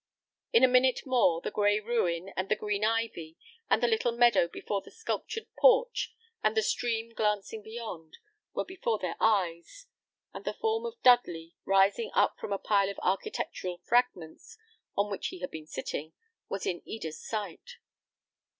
In a minute more, the gray ruin, and the green ivy, and the little meadow before the sculptured porch, and the stream glancing beyond, were before their eyes, and the form of Dudley, rising up from a pile of architectural fragments, on which he had been sitting, was in Eda's sight.